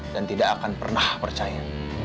dan tidak akan pernah percaya